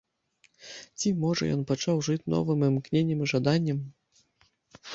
Ці, можа, ён пачаў жыць новым імкненнем і жаданнем?